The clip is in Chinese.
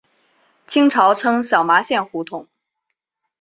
清朝称小麻线胡同。